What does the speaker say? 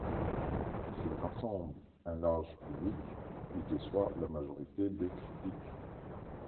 S'il rassemble un large public, il déçoit la majorité des critiques.